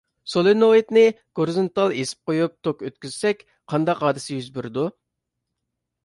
سولېنوئىدنى گورىزونتال ئېسىپ قويۇپ توك ئۆتكۈزسەك قانداق ھادىسە يۈز بېرىدۇ؟